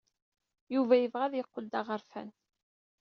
Yuba yebɣa ad yeqqel d aɣerfan.